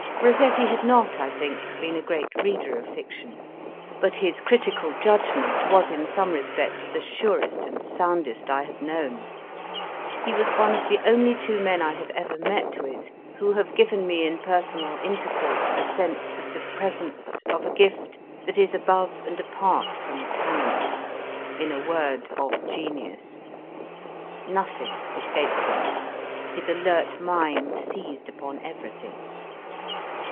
Rossetti had not, I think, been a great reader of fiction, but his critical judg ment was in some respects the surest and soundest I have known. He was one of the only two men I have ever met with who have given me in personal intercourse a sense of the presence of a gift that is above and apart from talent in a word, of genius. Nothing escaped him. His alert mind seized upon everything.